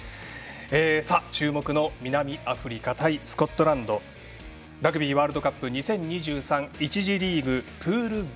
注目の南アフリカ対スコットランドラグビーワールドカップ２０２３１次リーグ、プールＢ。